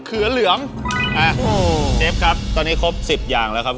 เจฟครับตอนนี้ครบ๑๐อย่างแล้วครับผม